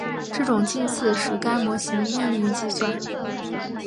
这种近似使该模型易于计算。